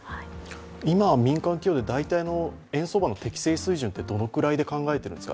今、民間企業で大体の円相場の適正水準ってどのくらいで考えているんですか？